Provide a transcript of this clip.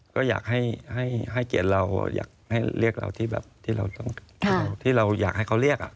ก็อยากให้เกียรติเราอยากให้เรียกเราที่แบบที่เราอยากให้เขาเรียก